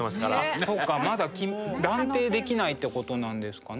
そうかまだ断定できないってことなんですかね？